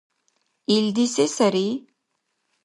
— Илди се сари?